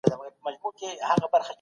فردي ملکیت انسان ته انګیزه ورکوي.